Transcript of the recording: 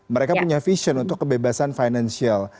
mereka punya vision untuk kebebasan financial